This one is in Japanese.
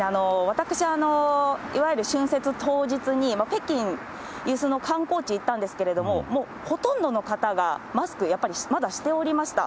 私、いわゆる春節当日に北京、観光地に行ったんですけど、もうほとんどの方がマスク、やっぱりまだしておりました。